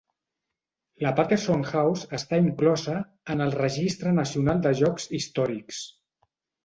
La Patterson House està inclosa en el Registre nacional de llocs històrics.